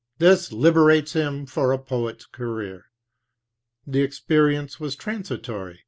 This liberates him for a poet's career. The experience was transitory.